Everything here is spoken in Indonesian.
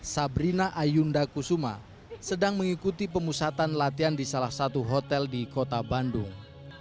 sabrina ayunda kusuma sedang mengikuti pemusatan latihan di salah satu hotel di kota bandung